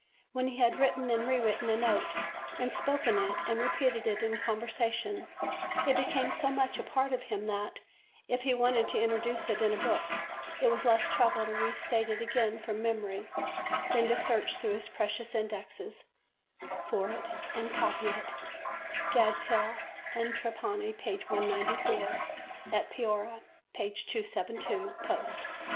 When he had written and re written a note and spoken it and repeated it in conversation, it became so much a part of him that, if he wanted to introduce it in a book, it was less trouble to re state it again from memory than to search through his "precious indexes" for it and copy it ("Gadshill and Trapani," p. 194, "At Piora," p. 272 post).